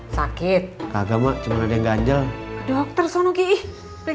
sampai jumpa di video selanjutnya